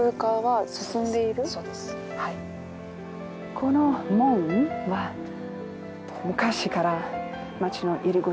この門は昔から町の入り口。